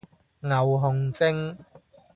牛熊證